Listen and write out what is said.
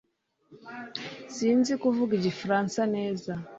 Sinzi kuvuga Igifaransa neza